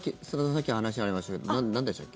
さっき話ありましたけどなんでしたっけ？